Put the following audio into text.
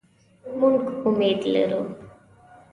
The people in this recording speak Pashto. مونږ امید لرو